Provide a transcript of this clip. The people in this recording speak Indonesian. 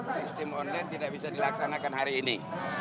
sistem online tidak bisa dilaksanakan hari ini